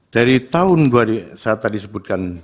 dari tahun saya tadi sebutkan